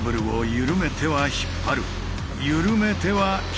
緩めては引っ張る。